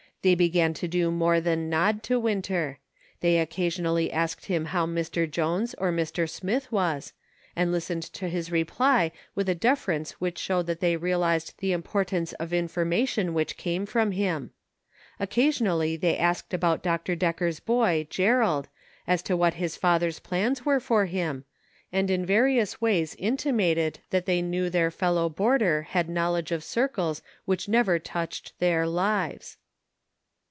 They began to do more than nod to Winter ; they occasionally asked him how Mr. Jones or Mr. Smith was, and listened to his reply with a defer ence which showed that they realized the impor tance of information which came from him. Oc casionally they asked about Dr. Decker's boy, Gerald, as to what his father's plans were for him, and in various ways intimated that they knew their fellow boarder had knowledge of circles which never touched their lives.